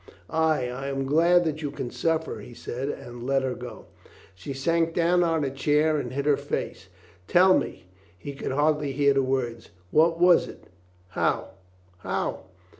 "Ay, I am glad that you can suffer," he said and let her go. She sank down on a chair and hid her face. "Tell me," he could hardly hear the words. "What was it? How? How?"